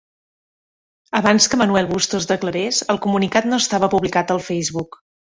Abans que Manuel Bustos declarés, el comunicat no estava publicat al Facebook.